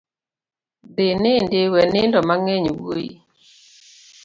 Dhi inindi we nindo mang'eny wuoi.